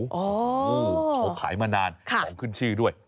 โอ้โหเขาขายมานานของขึ้นชื่อด้วย